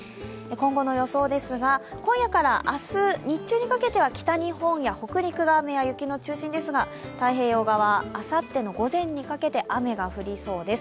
今後の予想ですが、今夜から明日日中にかけては北日本や北陸が雨や雪の中心ですが太平洋側、あさっての午前にかけて雨が降りそうです。